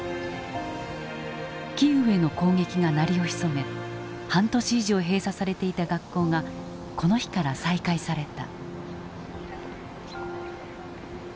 キーウへの攻撃が鳴りを潜め半年以上閉鎖されていた学校がこの日から再開された。